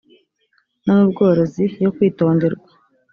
no mu bworozi yo kwitonderwa